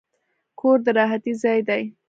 کور د راحتي ځای دی.